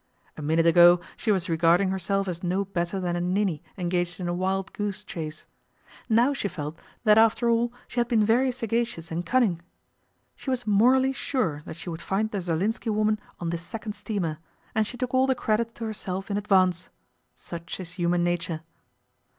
A minute ago she was regarding herself as no better than a ninny engaged in a wild goose chase. Now she felt that after all she had been very sagacious and cunning. She was morally sure that she would find the Zerlinski woman on this second steamer, and she took all the credit to herself in advance. Such is human nature.